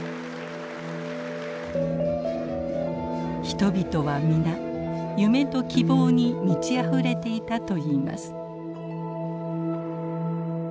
人々は皆夢と希望に満ちあふれていたといいます。